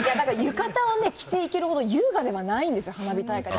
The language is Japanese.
浴衣を着ていけるほど優雅ではないんです花火大会って。